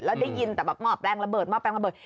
แล้วได้ยินแต่แบบหม้อแปลงระเบิดหม้อแปลงระเบิด